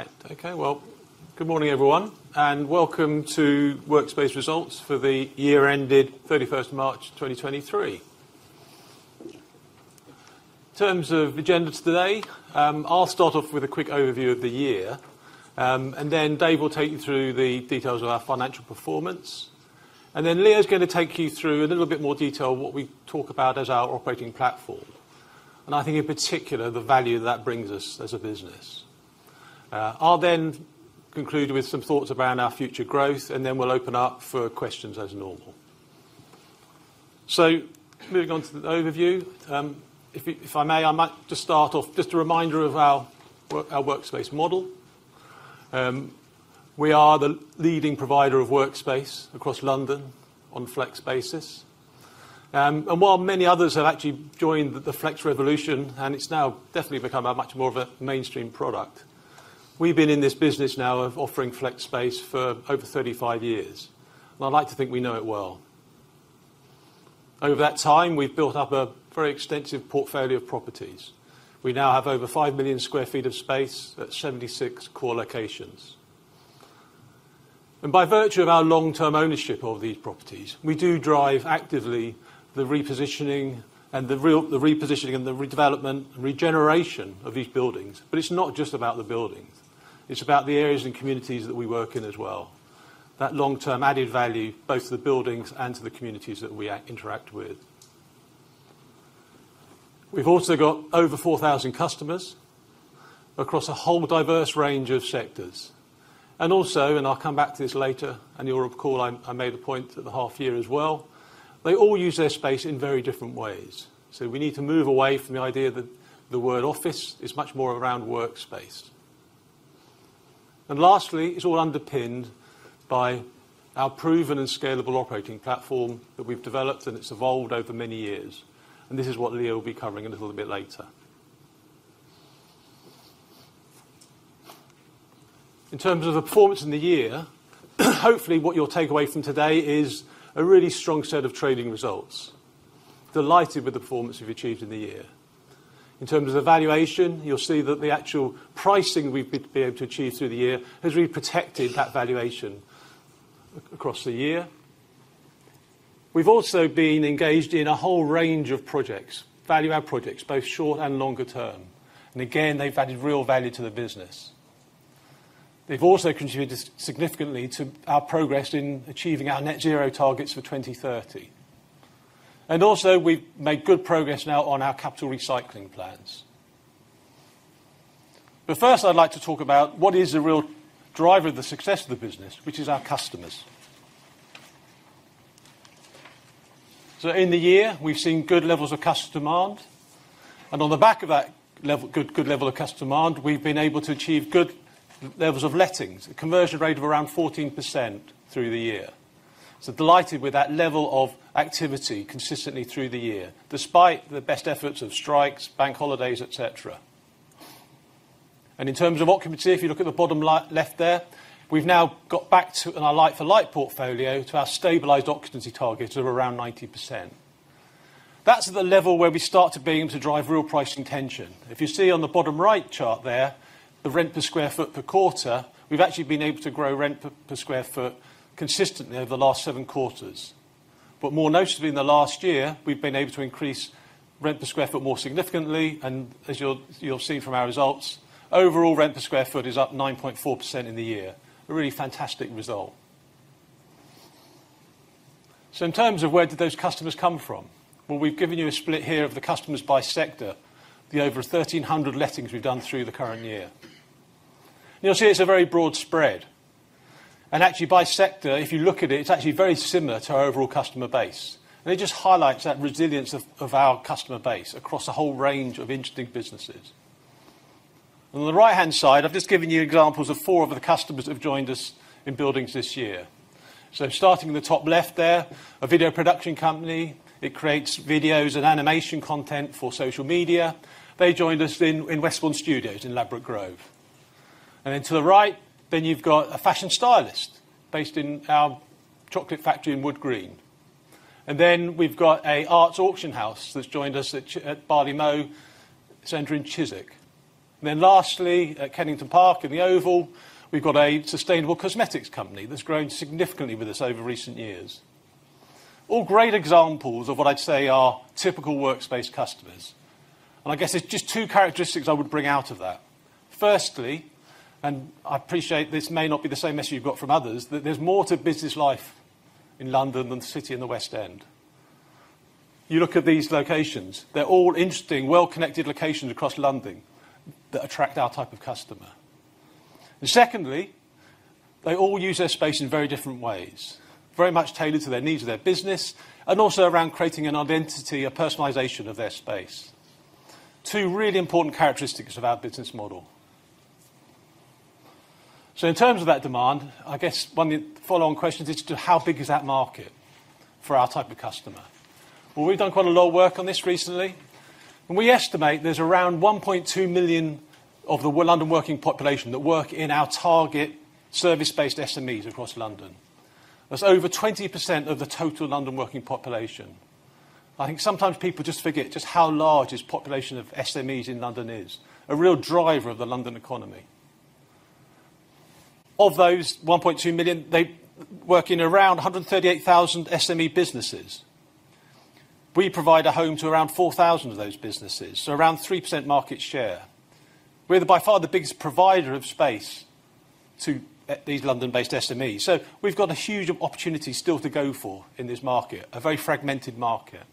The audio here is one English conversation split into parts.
All right. Okay, well, good morning, everyone, and welcome to Workspace Results for the Year Ended 31st of March, 2023. In terms of the agenda today, I'll start off with a quick overview of the year, and then Dave will take you through the details of our financial performance, and then Leo is gonna take you through a little bit more detail of what we talk about as our operating platform. I think, in particular, the value that brings us as a business. I'll then conclude with some thoughts around our future growth, and then we'll open up for questions as normal. Moving on to the overview, if you, if I may, I might just start off, just a reminder of our workspace model. We are the leading provider of workspace across London on a flex basis. While many others have actually joined the flex revolution, and it's now definitely become a much more of a mainstream product, we've been in this business now of offering flex space for over 35 years, and I'd like to think we know it well. Over that time, we've built up a very extensive portfolio of properties. We now have over 5 million sq ft of space at 76 core locations. By virtue of our long-term ownership of these properties, we do drive actively the repositioning and the redevelopment and regeneration of these buildings. It's not just about the buildings, it's about the areas and communities that we work in as well. That long-term added value, both to the buildings and to the communities that we interact with. We've also got over 4,000 customers across a whole diverse range of sectors. Also, I'll come back to this later, and you'll recall, I made a point at the half year as well, they all use their space in very different ways. We need to move away from the idea that the word office is much more around workspace. Lastly, it's all underpinned by our proven and scalable operating platform that we've developed, and it's evolved over many years. This is what Leo will be covering a little bit later. In terms of performance in the year, hopefully what you'll take away from today is a really strong set of trading results. Delighted with the performance we've achieved in the year. In terms of the valuation, you'll see that the actual pricing we've been able to achieve through the year has really protected that valuation across the year. We've also been engaged in a whole range of projects, value-add projects, both short and longer term, and again, they've added real value to the business. They've also contributed significantly to our progress in achieving our net zero targets for 2030. Also, we've made good progress now on our capital recycling plans. First, I'd like to talk about what is the real driver of the success of the business, which is our customers. In the year, we've seen good levels of customer demand, and on the back of that good level of customer demand, we've been able to achieve good levels of lettings, a conversion rate of around 14% through the year. Delighted with that level of activity consistently through the year, despite the best efforts of strikes, bank holidays, et cetera. In terms of occupancy, if you look at the bottom left there, we've now got back to in our like-for-like portfolio, to our stabilized occupancy targets of around 90%. That's the level where we start to being able to drive real pricing tension. If you see on the bottom right chart there, the rent per square foot per quarter, we've actually been able to grow rent per square foot consistently over the last seven quarters. More notably, in the last year, we've been able to increase rent per square foot more significantly, and as you'll see from our results, overall rent per square foot is up 9.4% in the year. A really fantastic result. In terms of where did those customers come from? Well, we've given you a split here of the customers by sector, the over 1,300 lettings we've done through the current year. You'll see it's a very broad spread. Actually, by sector, if you look at it's actually very similar to our overall customer base. It just highlights that resilience of our customer base across a whole range of interesting businesses. On the right-hand side, I've just given you examples of four of the customers who've joined us in buildings this year. Starting in the top left there, a video production company. It creates videos and animation content for social media. They joined us in Westbourne Studios in Ladbroke Grove. Then to the right, then you've got a fashion stylist based in our Chocolate Factory in Wood Green. We've got a arts auction house that's joined us at Barley Mow Center in Chiswick. Lastly, at Kennington Park in the Oval, we've got a sustainable cosmetics company that's grown significantly with us over recent years. All great examples of what I'd say are typical Workspace customers. I guess there's just two characteristics I would bring out of that. Firstly, I appreciate this may not be the same message you've got from others, that there's more to business life in London than the City in the West End. You look at these locations, they're all interesting, well-connected locations across London that attract our type of customer. Secondly, they all use their space in very different ways, very much tailored to their needs of their business, and also around creating an identity, a personalization of their space. Two really important characteristics of our business model. In terms of that demand, I guess one of the follow-on questions is just how big is that market for our type of customer? We've done quite a lot of work on this recently, and we estimate there's around 1.2 million of the London working population that work in our target service-based SMEs across London. That's over 20% of the total London working population. I think sometimes people just forget just how large this population of SMEs in London is, a real driver of the London economy. Of those 1.2 million, they work in around 138,000 SME businesses. We provide a home to around 4,000 of those businesses, so around 3% market share. We're by far the biggest provider of space to these London-based SMEs. We've got a huge opportunity still to go for in this market, a very fragmented market.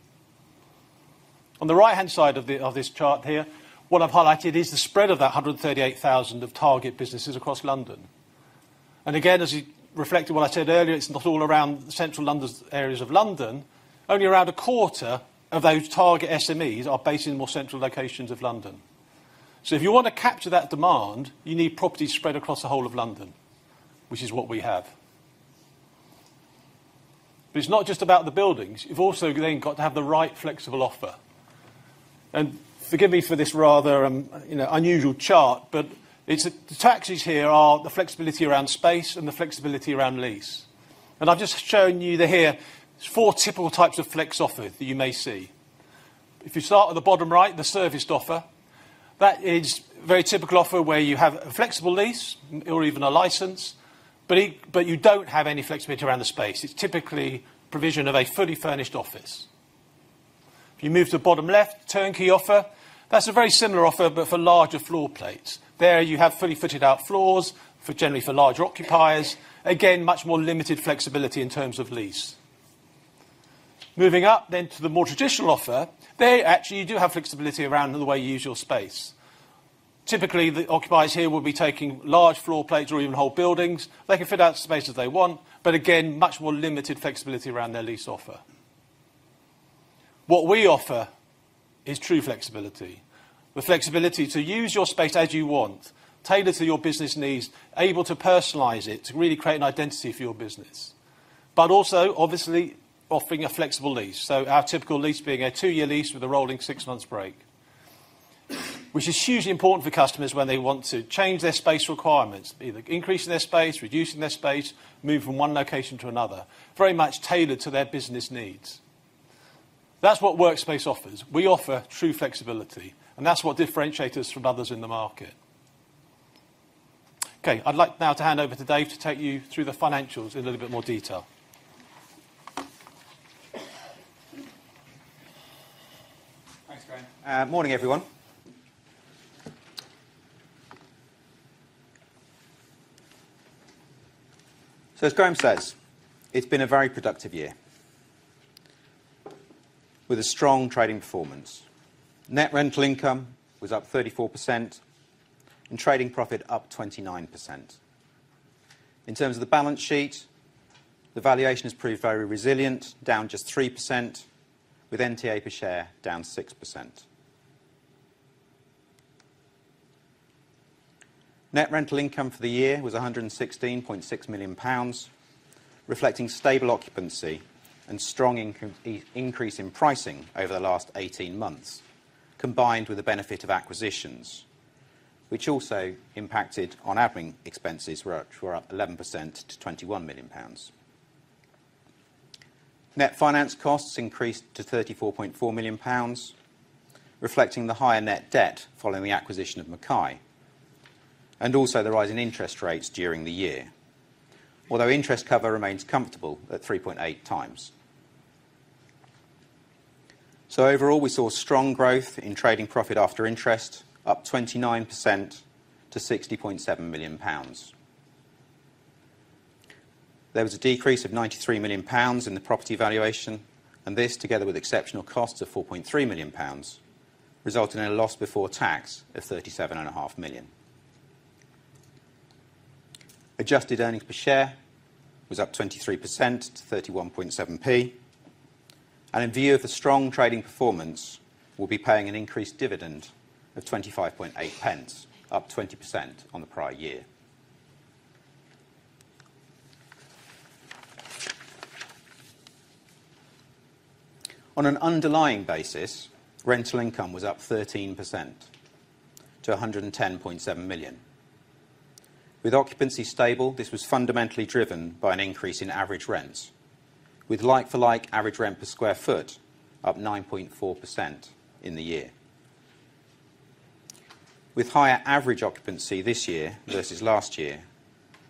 On the right-hand side of the, of this chart here, what I've highlighted is the spread of that 138,000 of target businesses across London. Again, as it reflected what I said earlier, it's not all around central London's, areas of London. Only around a 1/4 of those target SMEs are based in the more central locations of London. If you want to capture that demand, you need properties spread across the whole of London, which is what we have. It's not just about the buildings, you've also then got to have the right flexible offer. Forgive me for this rather, you know, unusual chart, but it's, the taxes here are the flexibility around space and the flexibility around lease. I've just shown you here, four typical types of flex offer that you may see. If you start at the bottom right, the serviced offer, that is very typical offer where you have a flexible lease or even a license, but it, but you don't have any flexibility around the space. It's typically provision of a fully furnished office. If you move to the bottom left, turnkey offer, that's a very similar offer, but for larger floor plates. There, you have fully fitted out floors for generally for larger occupiers. Again, much more limited flexibility in terms of lease. Moving up then to the more traditional offer, there, actually, you do have flexibility around the way you use your space. Typically, the occupiers here will be taking large floor plates or even whole buildings. They can fit out the space as they want, again, much more limited flexibility around their lease offer. What we offer is true flexibility. The flexibility to use your space as you want, tailored to your business needs, able to personalize it, to really create an identity for your business, but also, obviously, offering a flexible lease. Our typical lease being a 2-year lease with a rolling six months break, which is hugely important for customers when they want to change their space requirements, either increasing their space, reducing their space, move from one location to another, very much tailored to their business needs. That's what Workspace offers. We offer true flexibility, and that's what differentiates us from others in the market. Okay, I'd like now to hand over to Dave to take you through the financials in a little bit more detail. Thanks, Graham. Morning, everyone. As Graham says, it's been a very productive year with a strong trading performance. Net rental income was up 34% and trading profit up 29%. In terms of the balance sheet, the valuation has proved very resilient, down just 3%, with NTA per share down 6%. Net rental income for the year was 116.6 million pounds, reflecting stable occupancy and strong increase in pricing over the last 18 months, combined with the benefit of acquisitions, which also impacted on admin expenses, which were up 11% to 21 million pounds. Net finance costs increased to 34.4 million pounds, reflecting the higher net debt following the acquisition of McKay, and also the rise in interest rates during the year. Although interest cover remains comfortable at 3.8 times. Overall, we saw strong growth in trading profit after interest, up 29% to 60.7 million pounds. There was a decrease of 93 million pounds in the property valuation. This, together with exceptional costs of 4.3 million pounds, resulted in a loss before tax of 37 and a half million. Adjusted earnings per share was up 23% to 0.317. In view of the strong trading performance, we'll be paying an increased dividend of 0.258, up 20% on the prior year. On an underlying basis, rental income was up 13% to 110.7 million. With occupancy stable, this was fundamentally driven by an increase in average rents, with like-for-like average rent per square foot up 9.4% in the year. With higher average occupancy this year versus last year,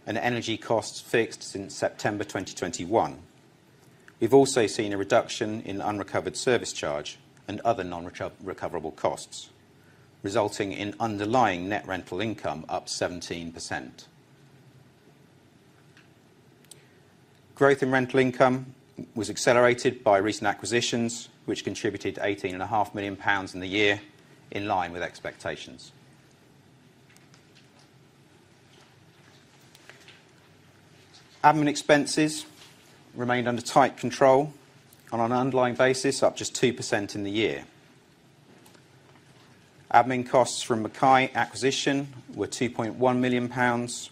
and energy costs fixed since September 2021, we've also seen a reduction in unrecovered service charge and other non-recoverable costs, resulting in underlying net rental income up 17%. Growth in rental income was accelerated by recent acquisitions, which contributed eighteen and a half million pounds in the year, in line with expectations. Admin expenses remained under tight control, and on an underlying basis, up just 2% in the year. Admin costs from McKay acquisition were 2.1 million pounds,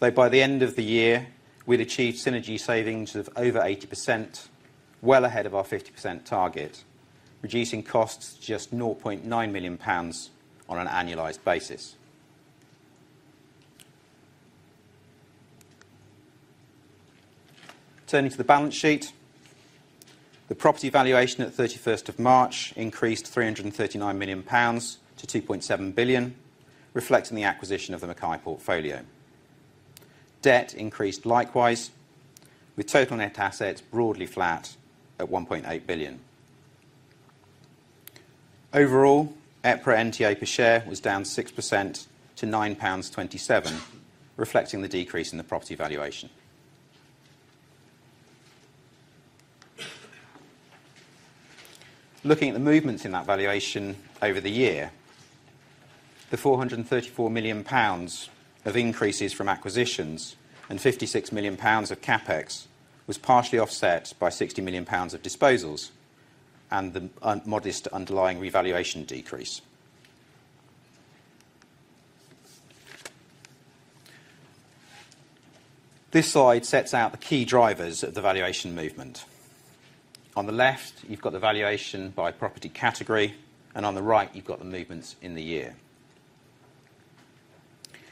though by the end of the year, we'd achieved synergy savings of over 80%, well ahead of our 50% target, reducing costs to just 0.9 million pounds on an annualized basis. Turning to the balance sheet, the property valuation at 31st of March increased 339 million pounds to 2.7 billion, reflecting the acquisition of the McKay portfolio. Debt increased likewise, with total net assets broadly flat at 1.8 billion. Overall, EPRA NTA per share was down 6% to 9.27 pounds, reflecting the decrease in the property valuation. Looking at the movements in that valuation over the year, the 434 million pounds of increases from acquisitions and 56 million pounds of CapEx was partially offset by 60 million pounds of disposals and the modest underlying revaluation decrease. This slide sets out the key drivers of the valuation movement. On the left, you've got the valuation by property category, and on the right, you've got the movements in the year.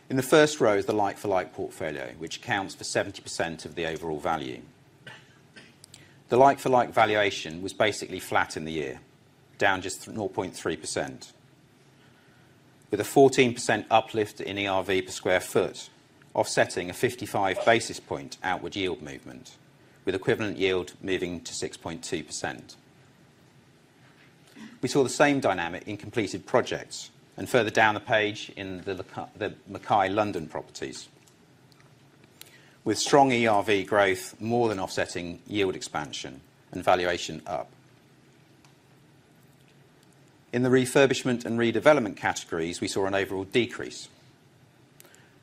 In the first row is the like-for-like portfolio, which accounts for 70% of the overall value. The like-for-like valuation was basically flat in the year, down just to 0.3%, with a 14% uplift in ERV per square foot, offsetting a 55 basis point outward yield movement, with equivalent yield moving to 6.2%. We saw the same dynamic in completed projects, and further down the page in the McKay London properties. With strong ERV growth, more than offsetting yield expansion and valuation up. In the refurbishment and redevelopment categories, we saw an overall decrease.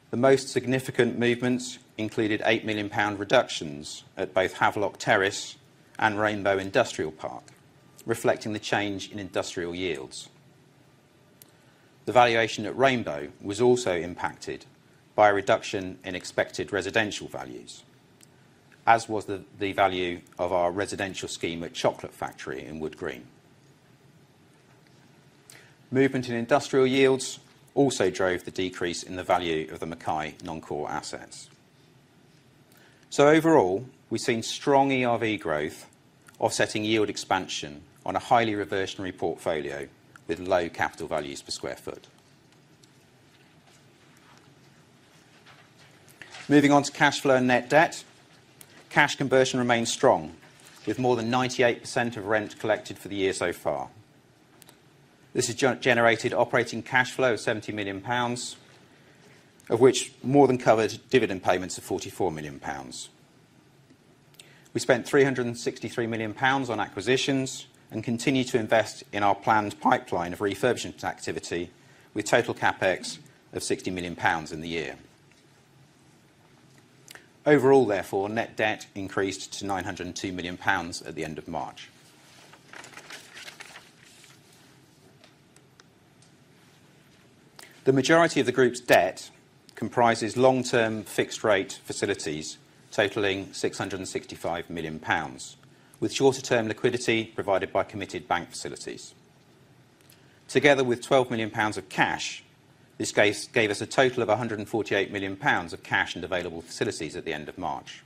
The most significant movements included 8 million pound reductions at both Havelock Terrace and Rainbow Industrial Park, reflecting the change in industrial yields. The valuation at Rainbow was also impacted by a reduction in expected residential values, as was the value of our residential scheme at Chocolate Factory in Wood Green. Movement in industrial yields also drove the decrease in the value of the McKay non-core assets. Overall, we've seen strong ERV growth, offsetting yield expansion on a highly reversionary portfolio with low capital values per square foot. Moving on to cash flow and net debt, cash conversion remains strong, with more than 98% of rent collected for the year so far. This has generated operating cash flow of 70 million pounds, of which more than covered dividend payments of 44 million pounds. We spent 363 million pounds on acquisitions and continue to invest in our planned pipeline of refurbishment activity, with total CapEx of 60 million pounds in the year. Overall, therefore, net debt increased to 902 million pounds at the end of March. The majority of the group's debt comprises long-term fixed rate facilities, totaling 665 million pounds, with shorter-term liquidity provided by committed bank facilities. Together with 12 million pounds of cash, this case gave us a total of 148 million pounds of cash and available facilities at the end of March.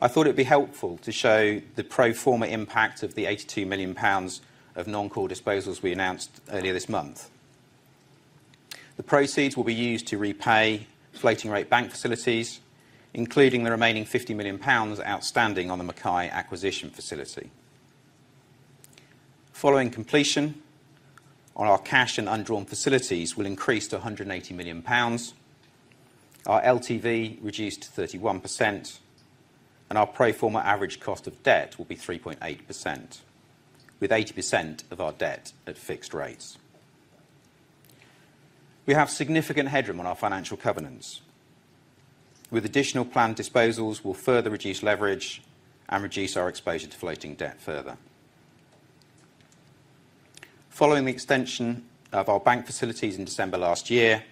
I thought it'd be helpful to show the pro forma impact of the 82 million pounds of non-core disposals we announced earlier this month. The proceeds will be used to repay floating rate bank facilities, including the remaining 50 million pounds outstanding on the McKay acquisition facility. Following completion, on our cash and undrawn facilities will increase to 180 million pounds. Our LTV reduced to 31%, and our pro forma average cost of debt will be 3.8%, with 80% of our debt at fixed rates. We have significant headroom on our financial covenants. With additional planned disposals, we'll further reduce leverage and reduce our exposure to floating debt further. Following the extension of our bank facilities in December last year,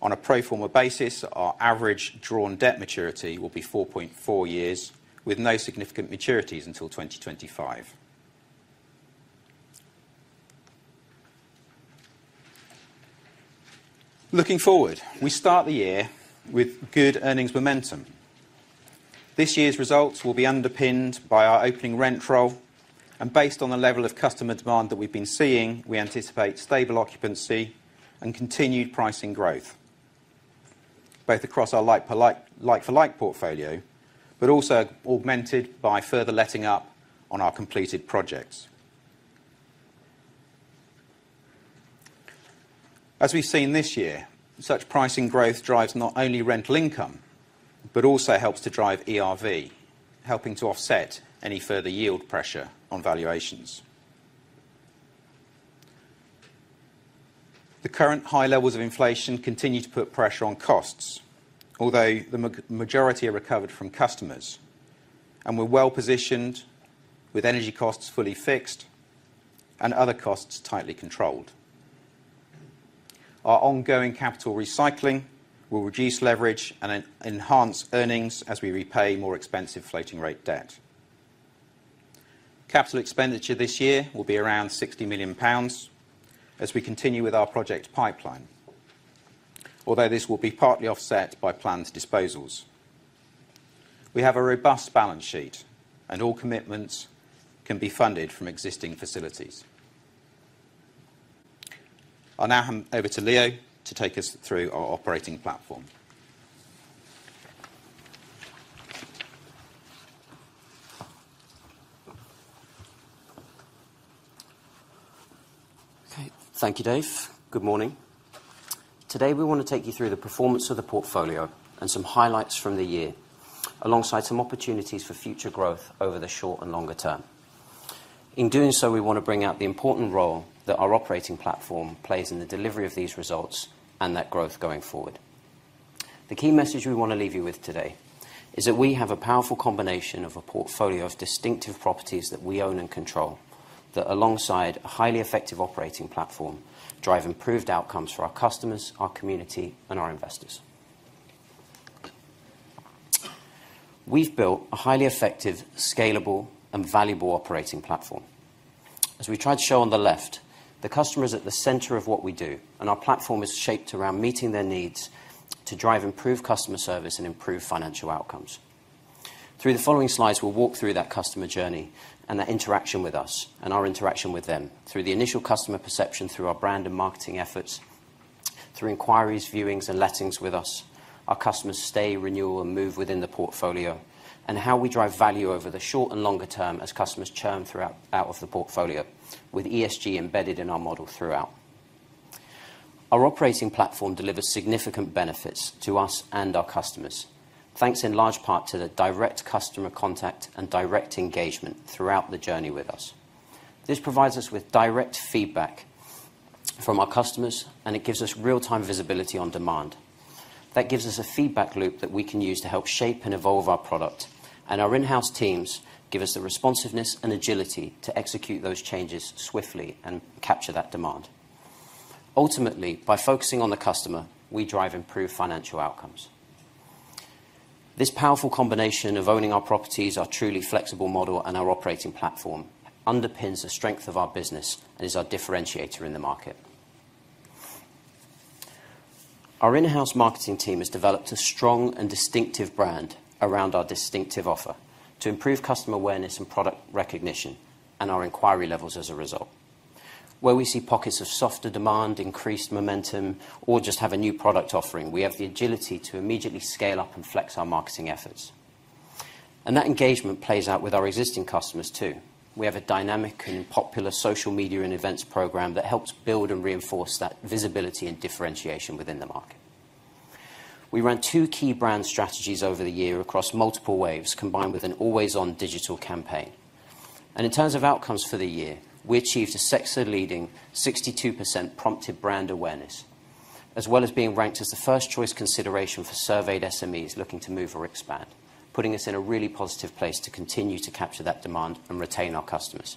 on a pro forma basis, our average drawn debt maturity will be 4.4 years, with no significant maturities until 2025. Looking forward, we start the year with good earnings momentum. This year's results will be underpinned by our opening rent roll, and based on the level of customer demand that we've been seeing, we anticipate stable occupancy and continued pricing growth, both across our like-for-like portfolio, but also augmented by further letting up on our completed projects. As we've seen this year, such pricing growth drives not only rental income, but also helps to drive ERV, helping to offset any further yield pressure on valuations. The current high levels of inflation continue to put pressure on costs, although the majority are recovered from customers, and we're well-positioned with energy costs fully fixed and other costs tightly controlled. Our ongoing capital recycling will reduce leverage and enhance earnings as we repay more expensive floating rate debt. Capital expenditure this year will be around 60 million pounds as we continue with our project pipeline, although this will be partly offset by planned disposals. We have a robust balance sheet, and all commitments can be funded from existing facilities. I'll now hand over to Leo to take us through our operating platform. Okay, thank you, Dave. Good morning. Today, we want to take you through the performance of the portfolio and some highlights from the year, alongside some opportunities for future growth over the short and longer term. In doing so, we want to bring out the important role that our operating platform plays in the delivery of these results and that growth going forward. The key message we want to leave you with today is that we have a powerful combination of a portfolio of distinctive properties that we own and control, that alongside a highly effective operating platform, drive improved outcomes for our customers, our community, and our investors. We've built a highly effective, scalable, and valuable operating platform. As we tried to show on the left, the customer is at the center of what we do, and our platform is shaped around meeting their needs to drive improved customer service and improve financial outcomes. Through the following slides, we'll walk through that customer journey and that interaction with us and our interaction with them. Through the initial customer perception, through our brand and marketing efforts, through inquiries, viewings, and lettings with us, our customers stay, renewal, and move within the portfolio, and how we drive value over the short and longer term as customers churn throughout out of the portfolio, with ESG embedded in our model throughout. Our operating platform delivers significant benefits to us and our customers, thanks in large part to the direct customer contact and direct engagement throughout the journey with us. This provides us with direct feedback from our customers, and it gives us real-time visibility on demand. That gives us a feedback loop that we can use to help shape and evolve our product, and our in-house teams give us the responsiveness and agility to execute those changes swiftly and capture that demand. Ultimately, by focusing on the customer, we drive improved financial outcomes. This powerful combination of owning our properties, our truly flexible model, and our operating platform underpins the strength of our business and is our differentiator in the market. Our in-house marketing team has developed a strong and distinctive brand around our distinctive offer to improve customer awareness and product recognition, and our inquiry levels as a result. Where we see pockets of softer demand, increased momentum, or just have a new product offering, we have the agility to immediately scale up and flex our marketing efforts. That engagement plays out with our existing customers, too. We have a dynamic and popular social media and events program that helps build and reinforce that visibility and differentiation within the market. We ran two key brand strategies over the year across multiple waves, combined with an always-on digital campaign. In terms of outcomes for the year, we achieved a sector-leading 62% prompted brand awareness, as well as being ranked as the first choice consideration for surveyed SMEs looking to move or expand, putting us in a really positive place to continue to capture that demand and retain our customers.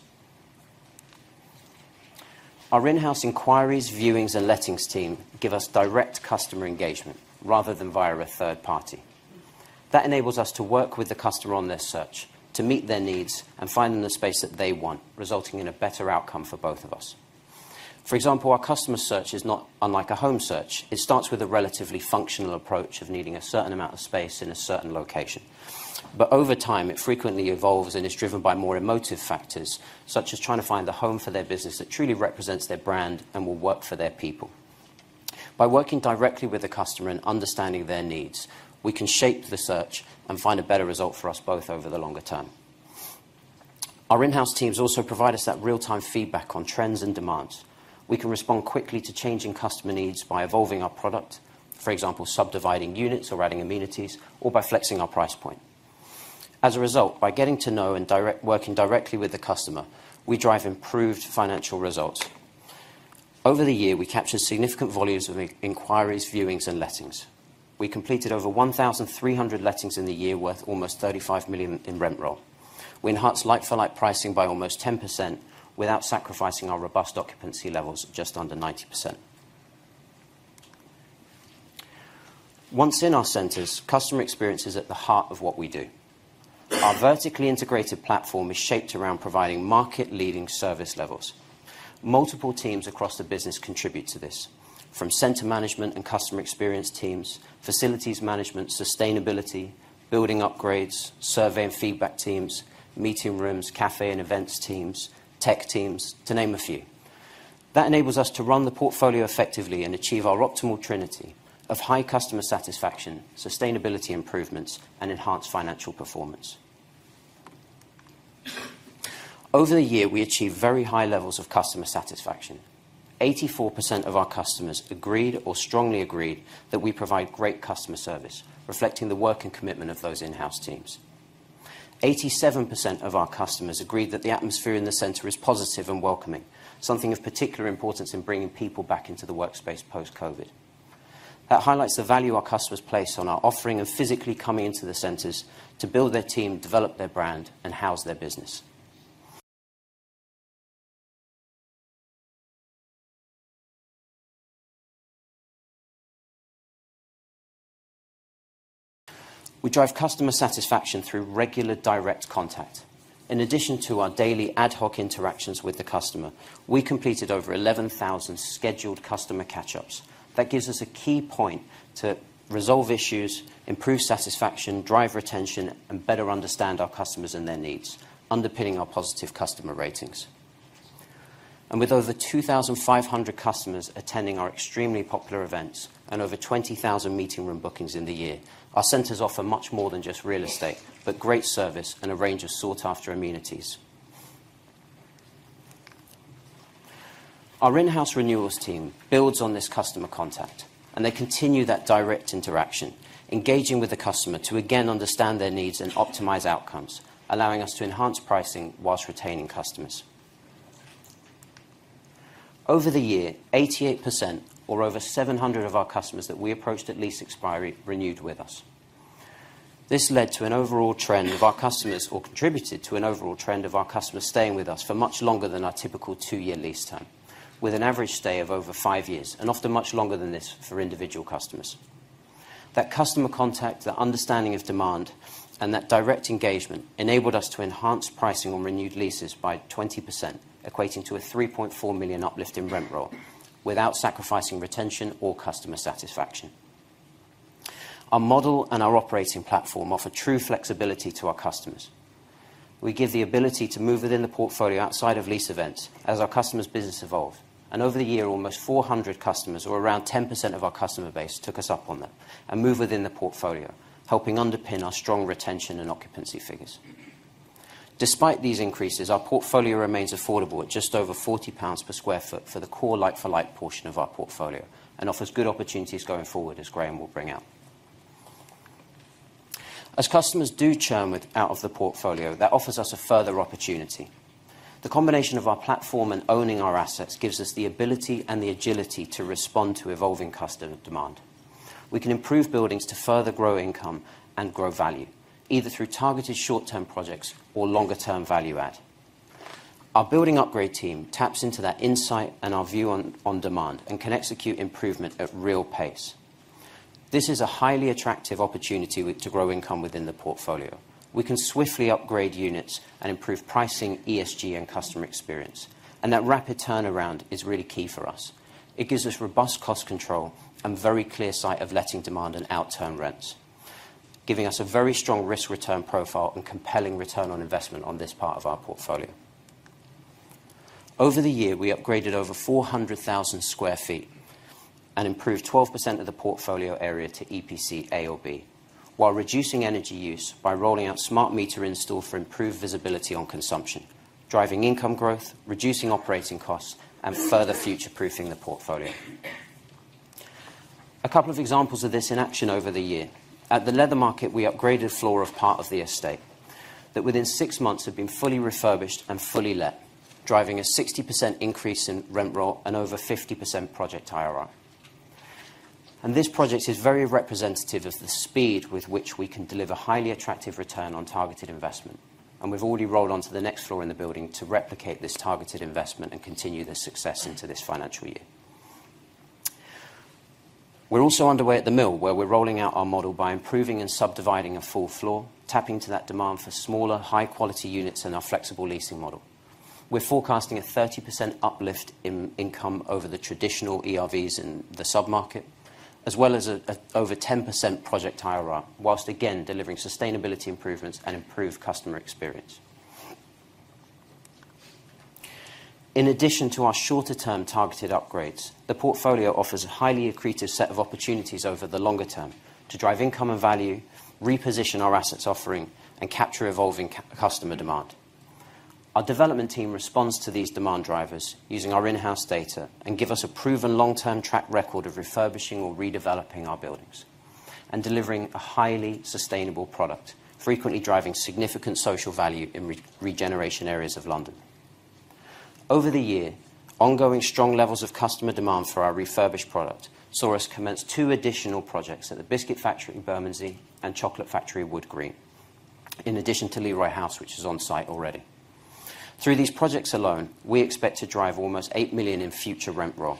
Our in-house inquiries, viewings, and lettings team give us direct customer engagement rather than via a third party. That enables us to work with the customer on their search, to meet their needs, and find them the space that they want, resulting in a better outcome for both of us. For example, our customer search is not unlike a home search. It starts with a relatively functional approach of needing a certain amount of space in a certain location. Over time, it frequently evolves and is driven by more emotive factors, such as trying to find a home for their business that truly represents their brand and will work for their people. By working directly with the customer and understanding their needs, we can shape the search and find a better result for us both over the longer term. Our in-house teams also provide us that real-time feedback on trends and demands. We can respond quickly to changing customer needs by evolving our product. For example, subdividing units or adding amenities, or by flexing our price point. As a result, by getting to know and working directly with the customer, we drive improved financial results. Over the year, we captured significant volumes of inquiries, viewings, and lettings. We completed over 1,300 lettings in the year, worth almost 35 million in rent roll. We enhanced like-for-like pricing by almost 10% without sacrificing our robust occupancy levels of just under 90%. Once in our centers, customer experience is at the heart of what we do. Our vertically integrated platform is shaped around providing market-leading service levels. Multiple teams across the business contribute to this, from center management and customer experience teams, facilities management, sustainability, building upgrades, survey and feedback teams, meeting rooms, cafe and events teams, tech teams, to name a few. That enables us to run the portfolio effectively and achieve our optimal trinity of high customer satisfaction, sustainability improvements, and enhanced financial performance. Over the year, we achieved very high levels of customer satisfaction. 84% of our customers agreed or strongly agreed that we provide great customer service, reflecting the work and commitment of those in-house teams. 87% of our customers agreed that the atmosphere in the center is positive and welcoming, something of particular importance in bringing people back into the Workspace post-COVID. That highlights the value our customers place on our offering of physically coming into the centers to build their team, develop their brand, and house their business. We drive customer satisfaction through regular direct contact. In addition to our daily ad hoc interactions with the customer, we completed over 11,000 scheduled customer catch-ups. That gives us a key point to resolve issues, improve satisfaction, drive retention, and better understand our customers and their needs, underpinning our positive customer ratings. With over 2,500 customers attending our extremely popular events and over 20,000 meeting room bookings in the year, our centers offer much more than just real estate, but great service and a range of sought-after amenities. Our in-house renewals team builds on this customer contact, and they continue that direct interaction, engaging with the customer to again understand their needs and optimize outcomes, allowing us to enhance pricing while retaining customers. Over the year, 88%, or over 700 of our customers that we approached at lease expiry, renewed with us. This led to an overall trend of our customers, or contributed to an overall trend of our customers staying with us for much longer than our typical two-year lease term, with an average stay of over five years, and often much longer than this for individual customers. That customer contact, that understanding of demand, and that direct engagement enabled us to enhance pricing on renewed leases by 20%, equating to a 3.4 million uplift in rent roll, without sacrificing retention or customer satisfaction. Our model and our operating platform offer true flexibility to our customers. We give the ability to move within the portfolio outside of lease events as our customers' business evolve. Over the year, almost 400 customers, or around 10% of our customer base, took us up on that and moved within the portfolio, helping underpin our strong retention and occupancy figures. Despite these increases, our portfolio remains affordable at just over 40 pounds per sq ft for the core like-for-like portion of our portfolio and offers good opportunities going forward, as Graham will bring out. As customers do churn with out of the portfolio, that offers us a further opportunity. The combination of our platform and owning our assets gives us the ability and the agility to respond to evolving customer demand. We can improve buildings to further grow income and grow value, either through targeted short-term projects or longer-term value add. Our building upgrade team taps into that insight and our view on demand and can execute improvement at real pace. This is a highly attractive opportunity to grow income within the portfolio. We can swiftly upgrade units and improve pricing, ESG, and customer experience. That rapid turnaround is really key for us. It gives us robust cost control and very clear sight of letting demand and outturn rents, giving us a very strong risk-return profile and compelling return on investment on this part of our portfolio. Over the year, we upgraded over 400,000 sq ft and improved 12% of the portfolio area to EPC A or B, while reducing energy use by rolling out smart meter install for improved visibility on consumption, driving income growth, reducing operating costs, and further future-proofing the portfolio. A couple of examples of this in action over the year. At the leather market, we upgraded floor of part of the estate, that within six months, have been fully refurbished and fully let, driving a 60% increase in rent roll and over 50% project IRR. This project is very representative of the speed with which we can deliver highly attractive return on targeted investment, and we've already rolled on to the next floor in the building to replicate this targeted investment and continue the success into this financial year. We're also underway at the Mill, where we're rolling out our model by improving and subdividing a full floor, tapping to that demand for smaller, high-quality units in our flexible leasing model. We're forecasting a 30% uplift in income over the traditional ERVs in the sub-market, as well as a over 10% project IRR, whilst again, delivering sustainability improvements and improved customer experience. In addition to our shorter-term targeted upgrades, the portfolio offers a highly accretive set of opportunities over the longer term to drive income and value, reposition our assets offering, and capture evolving customer demand. Our development team responds to these demand drivers using our in-house data and give us a proven long-term track record of refurbishing or redeveloping our buildings and delivering a highly sustainable product, frequently driving significant social value in re- regeneration areas of London. Over the year, ongoing strong levels of customer demand for our refurbished product saw us commence two additional projects at the Biscuit Factory in Bermondsey and Chocolate Factory in Wood Green, in addition to Leroy House, which is on site already. Through these projects alone, we expect to drive almost 8 million in future rent roll.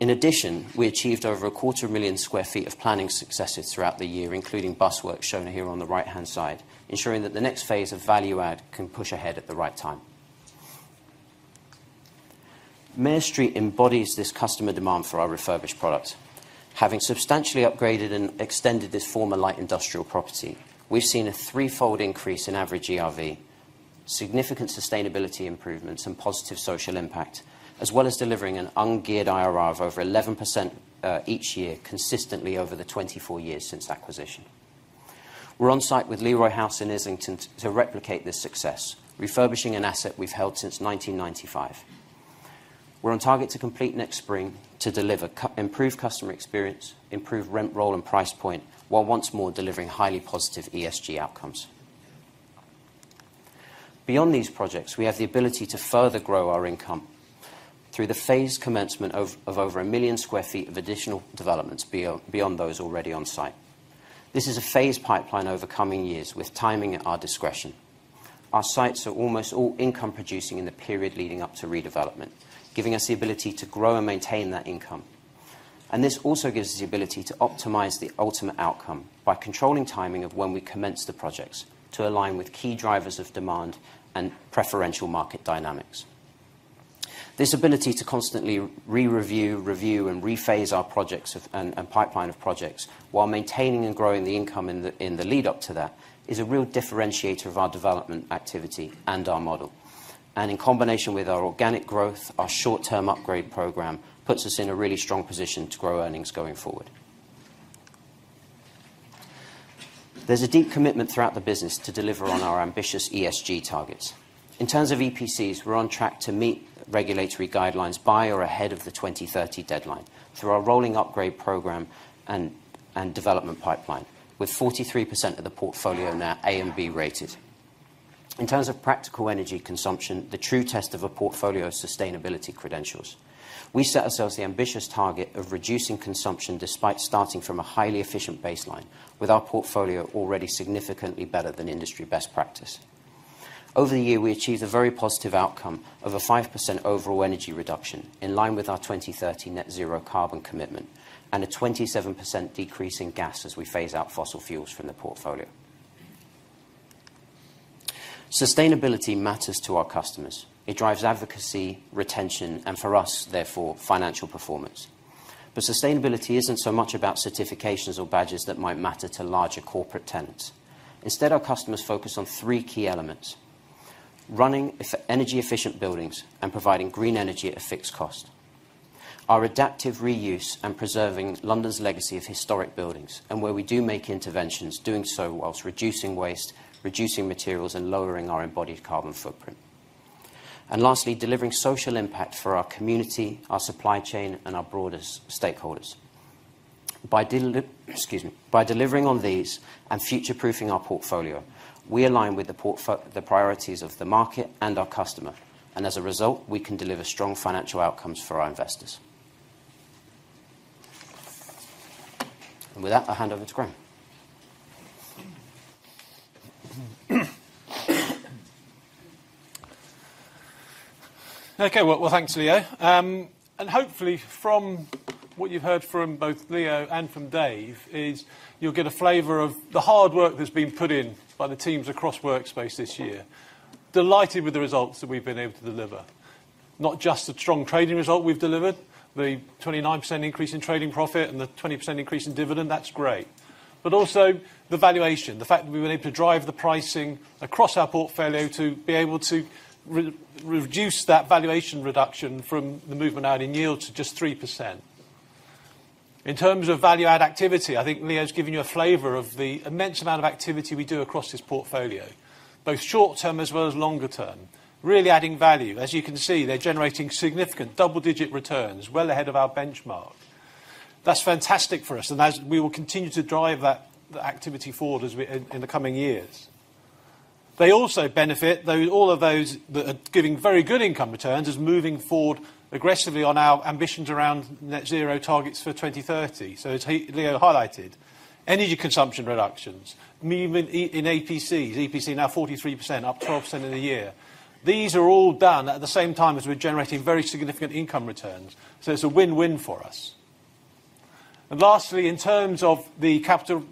In addition, we achieved over a quarter million sq ft of planning successes throughout the year, including The Busworks shown here on the right-hand side, ensuring that the next phase of value add can push ahead at the right time. The Ministry embodies this customer demand for our refurbished product. Having substantially upgraded and extended this former light industrial property, we've seen a threefold increase in average ERV, significant sustainability improvements and positive social impact, as well as delivering an ungeared IRR of over 11% each year, consistently over the 24 years since acquisition. We're on site with Leroy House in Islington to replicate this success, refurbishing an asset we've held since 1995. We're on target to complete next spring to deliver improve customer experience, improve rent roll and price point, while once more delivering highly positive ESG outcomes. Beyond these projects, we have the ability to further grow our income through the phased commencement of over 1 million sq ft of additional developments beyond those already on site. This is a phased pipeline over coming years, with timing at our discretion. Our sites are almost all income producing in the period leading up to redevelopment, giving us the ability to grow and maintain that income. This also gives us the ability to optimize the ultimate outcome by controlling timing of when we commence the projects to align with key drivers of demand and preferential market dynamics. This ability to constantly re-review, review, and re-phase our projects of and pipeline of projects, while maintaining and growing the income in the lead up to that, is a real differentiator of our development activity and our model. In combination with our organic growth, our short-term upgrade program puts us in a really strong position to grow earnings going forward. There's a deep commitment throughout the business to deliver on our ambitious ESG targets. In terms of EPCs, we're on track to meet regulatory guidelines by or ahead of the 2030 deadline, through our rolling upgrade program and development pipeline, with 43% of the portfolio now A and B rated. In terms of practical energy consumption, the true test of a portfolio's sustainability credentials, we set ourselves the ambitious target of reducing consumption despite starting from a highly efficient baseline, with our portfolio already significantly better than industry best practice. Over the year, we achieved a very positive outcome of a 5% overall energy reduction, in line with our 2030 net zero carbon commitment, and a 27% decrease in gas as we phase out fossil fuels from the portfolio. Sustainability matters to our customers. It drives advocacy, retention, and for us, therefore, financial performance. Sustainability isn't so much about certifications or badges that might matter to larger corporate tenants. Instead, our customers focus on three key elements: running energy-efficient buildings and providing green energy at a fixed cost, our adaptive reuse and preserving London's legacy of historic buildings, and where we do make interventions, doing so while reducing waste, reducing materials, and lowering our embodied carbon footprint. Lastly, delivering social impact for our community, our supply chain, and our broader stakeholders. excuse me. By delivering on these and future-proofing our portfolio, we align with the priorities of the market and our customer, and as a result, we can deliver strong financial outcomes for our investors. With that, I'll hand over to Graham. Okay, well, thanks, Leo. Hopefully, from what you've heard from both Leo and from Dave, is you'll get a flavor of the hard work that's been put in by the teams across Workspace this year. Delighted with the results that we've been able to deliver, not just the strong trading result we've delivered, the 29% increase in trading profit and the 20% increase in dividend, that's great. Also, the valuation, the fact that we were able to drive the pricing across our portfolio to be able to re-reduce that valuation reduction from the movement out in yield to just 3%. In terms of value-add activity, I think Leo's given you a flavor of the immense amount of activity we do across this portfolio, both short term as well as longer term, really adding value. As you can see, they're generating significant double-digit returns, well ahead of our benchmark. That's fantastic for us, as we will continue to drive that activity forward as we in the coming years. They also benefit, though, all of those that are giving very good income returns, is moving forward aggressively on our ambitions around net zero targets for 2030. As Leo highlighted, energy consumption reductions, movement in EPCs, EPC now 43%, up 12% in a year. These are all done at the same time as we're generating very significant income returns, it's a win-win for us. Lastly, in terms of the capital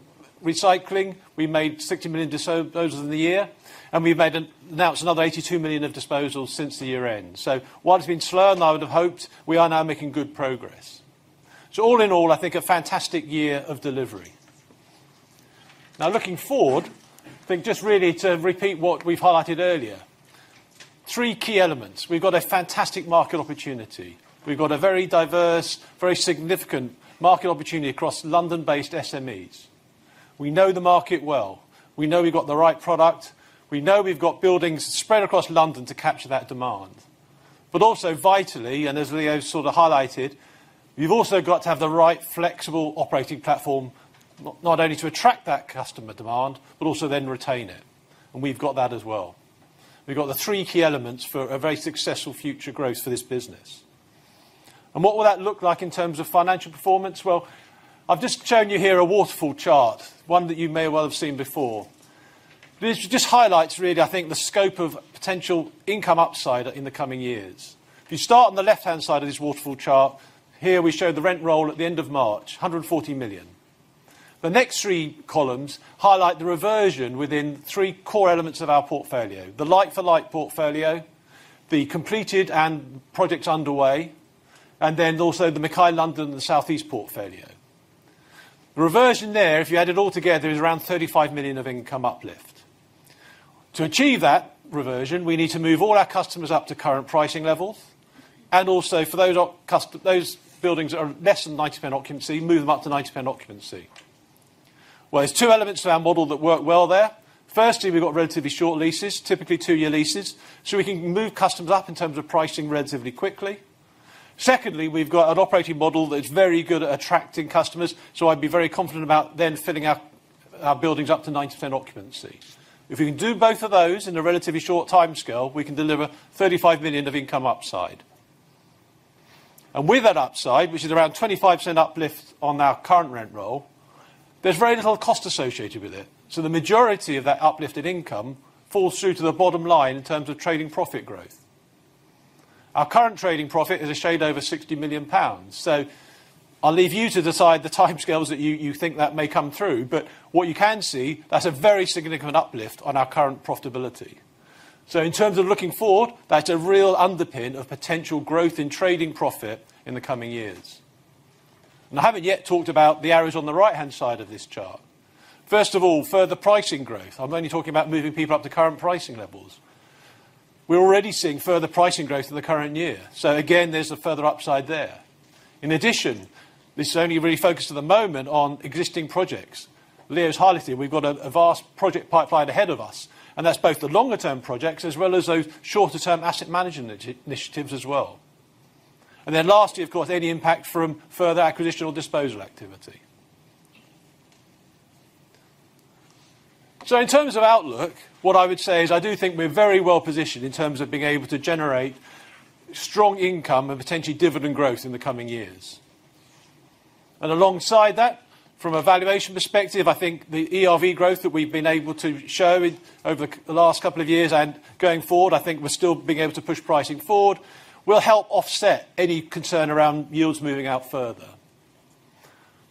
recycling, we made 60 million disposals in the year, and we've announced another 82 million of disposals since the year end. While it's been slower than I would have hoped, we are now making good progress. All in all, I think a fantastic year of delivery. Looking forward, I think just really to repeat what we've highlighted earlier, three key elements. We've got a fantastic market opportunity. We've got a very diverse, very significant market opportunity across London-based SMEs. We know the market well. We know we've got the right product. We know we've got buildings spread across London to capture that demand. Also, vitally, and as Leo sort of highlighted, we've also got to have the right flexible operating platform, not only to attract that customer demand, but also then retain it, and we've got that as well. We've got the three key elements for a very successful future growth for this business. What will that look like in terms of financial performance? Well, I've just shown you here a waterfall chart, one that you may well have seen before. This just highlights, really, I think, the scope of potential income upside in the coming years. If you start on the left-hand side of this waterfall chart, here we show the rent roll at the end of March, 140 million. The next three columns highlight the reversion within three core elements of our portfolio: the like for like portfolio, the completed and projects underway, and then also the McKay London and the Southeast portfolio. The reversion there, if you add it all together, is around 35 million of income uplift. To achieve that reversion, we need to move all our customers up to current pricing levels, and also for those customers, those buildings that are less than 90% occupancy, move them up to 90% occupancy. There's two elements to our model that work well there. Firstly, we've got relatively short leases, typically two-year leases, so we can move customers up in terms of pricing relatively quickly. Secondly, we've got an operating model that's very good at attracting customers, so I'd be very confident about then filling up our buildings up to 90% occupancy. If we can do both of those in a relatively short timescale, we can deliver 35 million of income upside. With that upside, which is around 25% uplift on our current rent roll, there's very little cost associated with it. The majority of that uplift in income falls through to the bottom line in terms of trading profit growth. Our current trading profit is a shade over 60 million pounds, I'll leave you to decide the timescales that you think that may come through. What you can see, that's a very significant uplift on our current profitability. In terms of looking forward, that's a real underpin of potential growth in trading profit in the coming years. I haven't yet talked about the areas on the right-hand side of this chart. First of all, further pricing growth. I'm only talking about moving people up to current pricing levels. We're already seeing further pricing growth in the current year, so again, there's a further upside there. In addition, this is only really focused at the moment on existing projects. Leo's highlighted, we've got a vast project pipeline ahead of us, and that's both the longer term projects, as well as those shorter term asset management initiatives as well. Lastly, of course, any impact from further acquisition or disposal activity. In terms of outlook, what I would say is I do think we're very well positioned in terms of being able to generate strong income and potentially dividend growth in the coming years. Alongside that, from a valuation perspective, I think the ERV growth that we've been able to show over the last couple of years and going forward, I think we're still being able to push pricing forward, will help offset any concern around yields moving out further.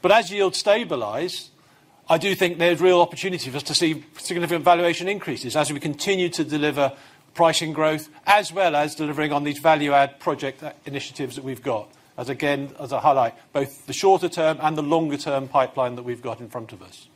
As yields stabilize, I do think there's real opportunity for us to see significant valuation increases as we continue to deliver pricing growth, as well as delivering on these value-add project initiatives that we've got. As again, as I highlight, both the shorter term and the longer term pipeline that we've got in front of us.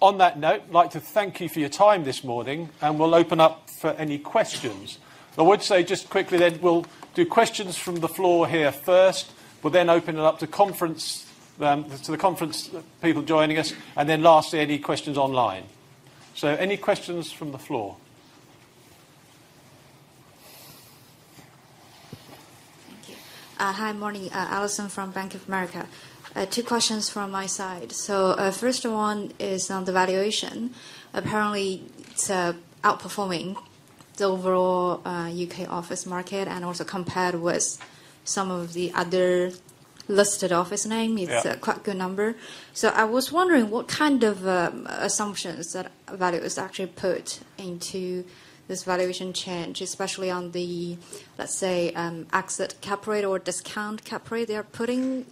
On that note, I'd like to thank you for your time this morning, we'll open up for any questions. I would say just quickly, we'll do questions from the floor here first, we'll then open it up to conference, to the conference people joining us, lastly, any questions online. Any questions from the floor? Thank you. Hi, morning, Alison from Bank of America. Two questions from my side. First one is on the valuation. Apparently, it's outperforming the overall U.K. office market. Also compared with some of the other listed office name. Yeah It's a quite good number. I was wondering, what kind of assumptions that value was actually put into this valuation change, especially on the, let's say, exit cap rate or discount cap rate they are putting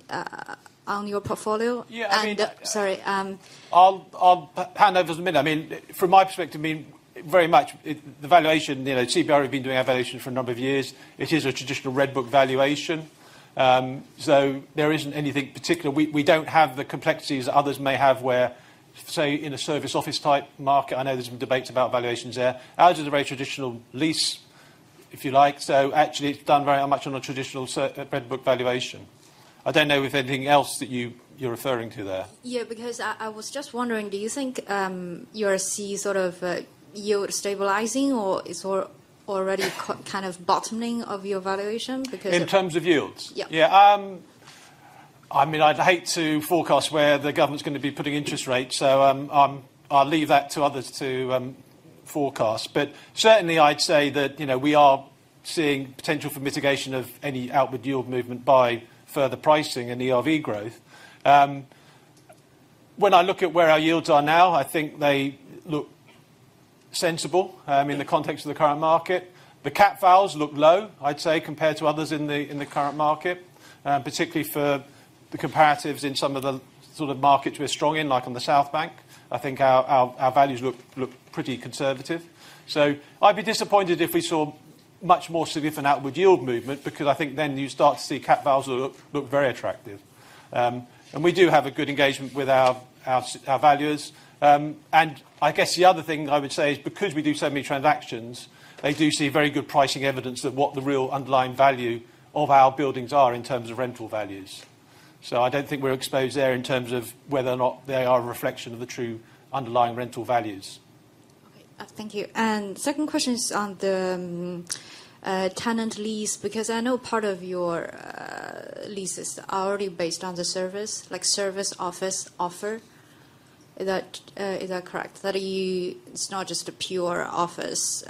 on your portfolio? Yeah, I mean. Sorry. I'll hand over to Min. I mean, from my perspective, I mean, very much, the valuation, you know, CBRE have been doing our valuation for a number of years. It is a traditional red book valuation, so there isn't anything particular. We don't have the complexities that others may have where, say, in a service office type market, I know there's been debates about valuations there. Ours is a very traditional lease, if you like, so actually, it's done very much on a traditional red book valuation. I don't know if anything else that you're referring to there. Yeah, because I was just wondering, do you think, you will see sort of, yield stabilizing or is already kind of bottoming of your valuation? In terms of yields? Yeah. Yeah, I mean, I'd hate to forecast where the government's gonna be putting interest rates. I'll leave that to others to forecast. Certainly, I'd say that, you know, we are seeing potential for mitigation of any outward yield movement by further pricing and ERV growth. When I look at where our yields are now, I think they look sensible in the context of the current market. The cap values look low, I'd say, compared to others in the current market, particularly for the comparatives in some of the sort of markets we're strong in, like on the South Bank. I think our values look pretty conservative. I'd be disappointed if we saw much more significant outward yield movement, because I think then you start to see cap values look very attractive. We do have a good engagement with our valuers. I guess the other thing I would say is because we do so many transactions, they do see very good pricing evidence of what the real underlying value of our buildings are in terms of rental values. I don't think we're exposed there in terms of whether or not they are a reflection of the true underlying rental values. Okay, thank you. Second question is on the tenant lease, because I know part of your leases are already based on the service, like service office offer. Is that correct? It's not just a pure office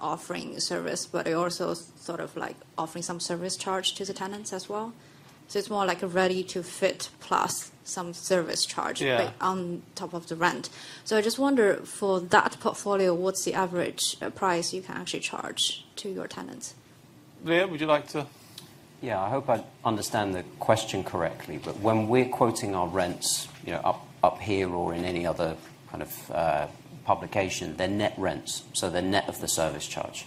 offering service, but it also sort of like offering some service charge to the tenants as well? It's more like a ready-to-fit plus some service charge? Yeah But on top of the rent. I just wonder, for that portfolio, what's the average price you can actually charge to your tenants? Leo, would you like to? Yeah, I hope I understand the question correctly. When we're quoting our rents, you know, up here or in any other kind of publication, they're net rents. They're net of the service charge.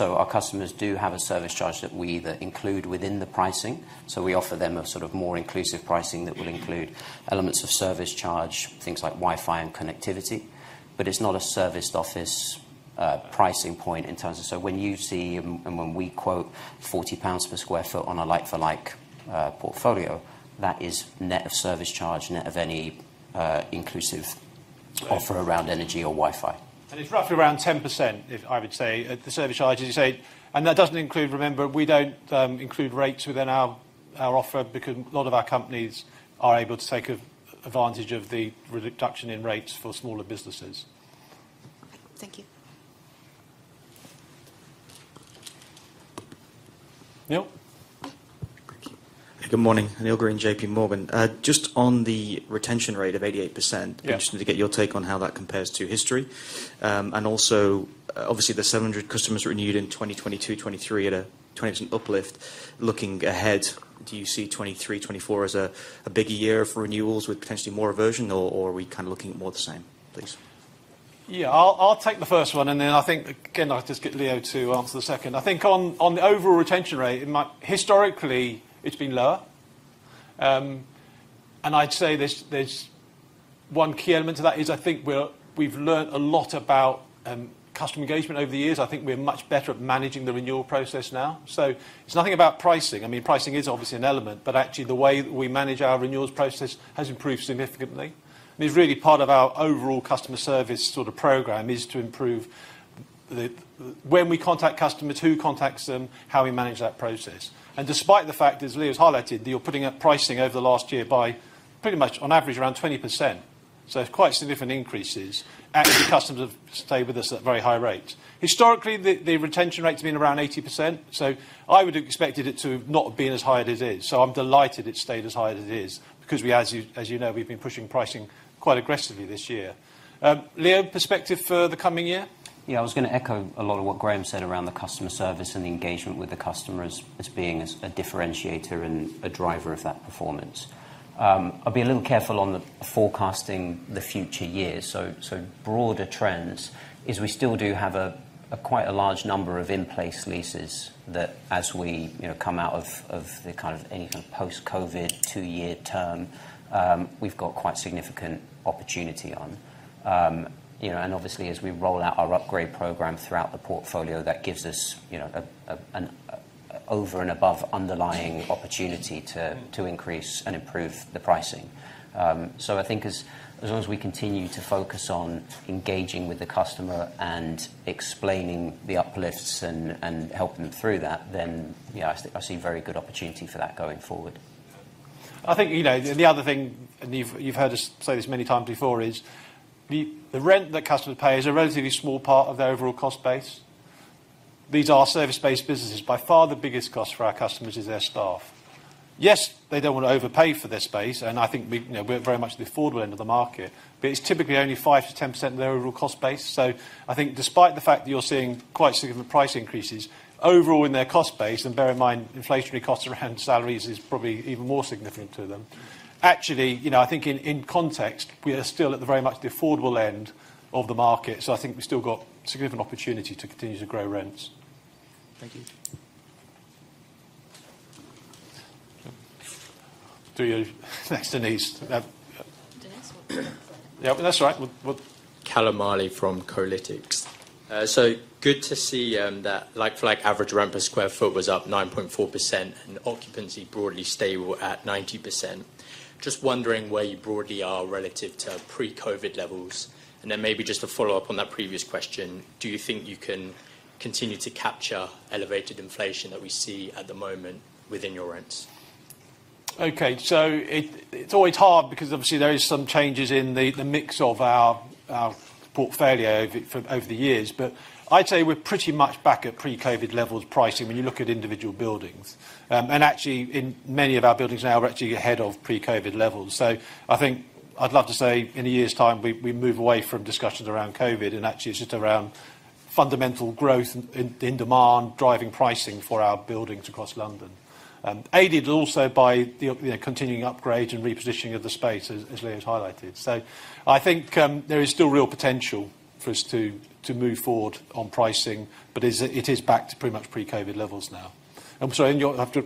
Our customers do have a service charge that we either include within the pricing. We offer them a sort of more inclusive pricing that will include elements of service charge, things like Wi-Fi and connectivity. It's not a serviced office pricing point in terms of. When you see, when we quote 40 pounds per square foot on a like for like portfolio, that is net of service charge, net of any inclusive offer around energy or Wi-Fi. It's roughly around 10%, if I would say, the service charge, as you say, and that doesn't include, remember, we don't include rates within our offer because a lot of our companies are able to take advantage of the reduction in rates for smaller businesses. Thank you. Neil? Good morning, Neil Green, JP Morgan. just on the retention rate of 88%. Yeah. Just to get your take on how that compares to history. Also, obviously, the 700 customers renewed in 2022, 2023 at a 20% uplift. Looking ahead, do you see 2023, 2024 as a bigger year for renewals with potentially more aversion, or are we kind of looking more the same, please? Yeah, I'll take the first one, and then I think, again, I'll just get Leo to answer the second. I think on the overall retention rate, historically, it's been lower. I'd say there's one key element to that, is I think we've learnt a lot about customer engagement over the years. I think we're much better at managing the renewal process now. It's nothing about pricing. I mean, pricing is obviously an element, actually, the way that we manage our renewals process has improved significantly. It's really part of our overall customer service sort of program, is to improve the, when we contact customers, who contacts them, how we manage that process. Despite the fact, as Leo's highlighted, that you're putting up pricing over the last year by pretty much on average, around 20%, so quite significant increases, actually, customers have stayed with us at very high rates. Historically, the retention rates have been around 80%, so I would have expected it to not have been as high as it is. I'm delighted it stayed as high as it is, because we, as you know, we've been pushing pricing quite aggressively this year. Leo, perspective for the coming year? Yeah, I was going to echo a lot of what Graham said around the customer service and the engagement with the customers as being a differentiator and a driver of that performance. I'll be a little careful on the forecasting the future years. Broader trends is we still do have a quite a large number of in-place leases that as we, you know, come out of the kind of any post-COVID 2-year term, we've got quite significant opportunity on. You know, obviously, as we roll out our upgrade program throughout the portfolio, that gives us, you know, a, an over and above underlying opportunity to increase and improve the pricing. I think as long as we continue to focus on engaging with the customer and explaining the uplifts and helping them through that, then, you know, I see very good opportunity for that going forward. I think, you know, the other thing, and you've heard us say this many times before, is the rent that customers pay is a relatively small part of their overall cost base. These are service-based businesses. By far, the biggest cost for our customers is their staff. Yes, they don't want to overpay for their space, and I think we, you know, we're very much the affordable end of the market, but it's typically only 5%-10% of their overall cost base. I think despite the fact that you're seeing quite significant price increases, overall, in their cost base, and bear in mind, inflationary costs around salaries is probably even more significant to them. Actually, you know, I think in context, we are still at the very much the affordable end of the market, so I think we still got significant opportunity to continue to grow rents. Thank you. Do you? Next, Denese. Denese? Yeah, that's right. Callum Marley from Kolytics. So good to see that like, for like average rent per square foot was up 9.4% and occupancy broadly stable at 90%. Just wondering where you broadly are relative to pre-COVID levels. Maybe just to follow up on that previous question, do you think you can continue to capture elevated inflation that we see at the moment within your rents? It's always hard because obviously there is some changes in the mix of our portfolio over the years, but I'd say we're pretty much back at pre-COVID levels pricing when you look at individual buildings. And actually, in many of our buildings now, we're actually ahead of pre-COVID levels. I think I'd love to say in a year's time, we move away from discussions around COVID, and actually, it's just around fundamental growth in demand, driving pricing for our buildings across London. Aided also by the, you know, continuing upgrade and repositioning of the space, as Leo has highlighted. I think there is still real potential for us to move forward on pricing, but it is back to pretty much pre-COVID levels now. I'm sorry, and your after,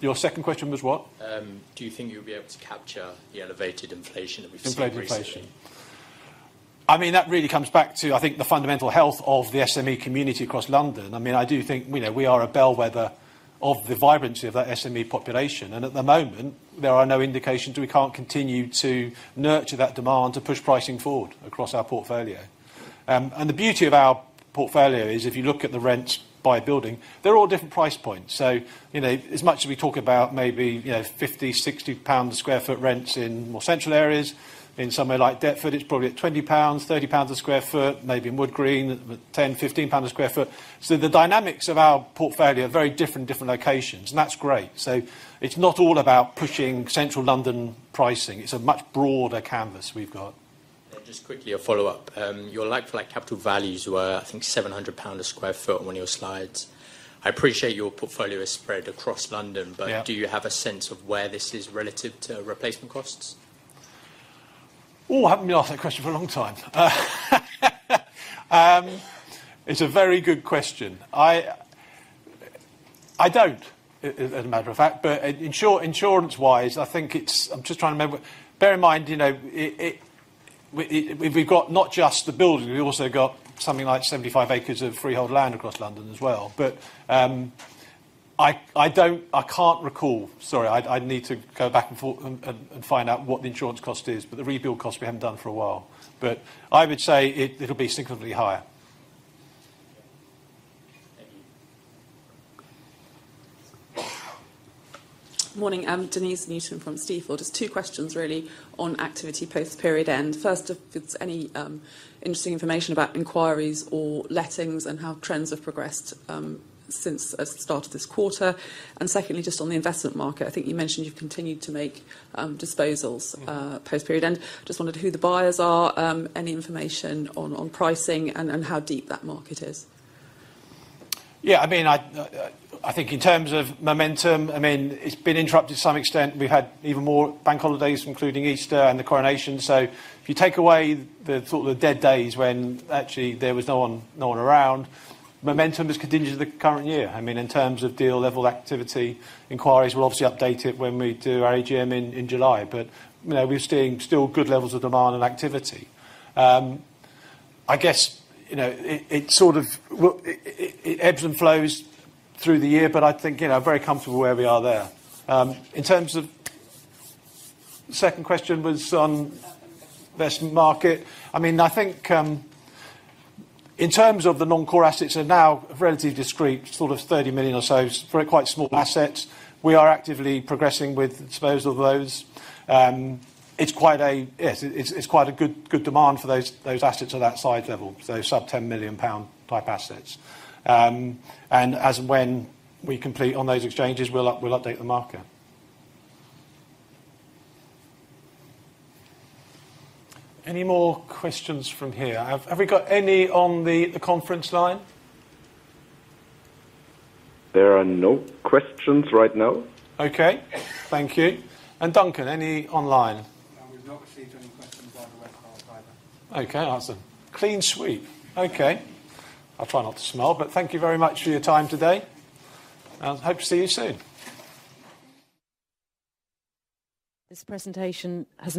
your second question was what? Do you think you'll be able to capture the elevated inflation that we've seen recently? Inflated inflation. I mean, that really comes back to, I think, the fundamental health of the SME community across London. I mean, I do think, you know, we are a bellwether of the vibrancy of that SME population, and at the moment, there are no indications that we can't continue to nurture that demand to push pricing forward across our portfolio. The beauty of our portfolio is, if you look at the rents by building, they're all different price points. You know, as much as we talk about maybe, you know, 50, 60 pounds a sq ft rents in more central areas, in somewhere like Deptford, it's probably at 20 pounds, 30 pounds a sq ft, maybe in Wood Green, at 10, 15 pounds a sq ft. The dynamics of our portfolio are very different in different locations, and that's great. It's not all about pushing central London pricing. It's a much broader canvas we've got. Just quickly, a follow-up. your like-for-like capital values were, I think, 700 pound a sq ft on one of your slides. I appreciate your portfolio is spread across London. Yeah. Do you have a sense of where this is relative to replacement costs? I haven't been asked that question for a long time. It's a very good question. I don't, as a matter of fact, but insurance-wise, I think it's. I'm just trying to remember. Bear in mind, you know, we've got not just the buildings, we've also got something like 75 acres of freehold land across London as well. I don't. I can't recall. Sorry, I'd need to go back and forth and find out what the insurance cost is, the rebuild cost we haven't done for a while. I would say it'll be significantly higher. Morning, I'm Denese Newton from Stifel. Just two questions, really, on activity post-period end. First, if it's any interesting information about inquiries or lettings and how trends have progressed since the start of this quarter. Secondly, just on the investment market, I think you mentioned you've continued to make disposals post-period, and just wondered who the buyers are, any information on pricing and how deep that market is? Yeah, I mean, I think in terms of momentum, I mean, it's been interrupted to some extent. We've had even more bank holidays, including Easter and the Coronation. If you take away the sort of the dead days when actually there was no one around, momentum has continued to the current year. I mean, in terms of deal level activity, inquiries will obviously update it when we do our AGM in July. You know, we're seeing still good levels of demand and activity. I guess, you know, it ebbs and flows through the year, but I think, you know, very comfortable where we are there. In terms of. Second question was on investment market. I mean, I think, in terms of the non-core assets are now relatively discrete, sort of 30 million or so, very quite small assets. We are actively progressing with disposal of those. Yes, it's quite a good demand for those assets of that size level, those sub-GBP 10 million type assets. As when we complete on those exchanges, we'll update the market. Any more questions from here? Have we got any on the conference line? There are no questions right now. Okay, thank you. Duncan, any online? We've not received any questions on the website either. Okay, awesome. Clean sweep. Okay. I'll try not to smile, but thank you very much for your time today, and hope to see you soon. This presentation.